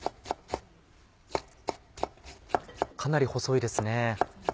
かなり細いですね。